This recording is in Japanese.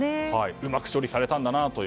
うまく処理されたんだなと。